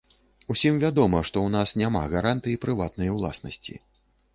Усім вядома, што ў нас няма гарантый прыватнай уласнасці.